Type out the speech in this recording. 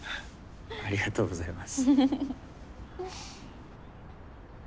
ありがとうございます。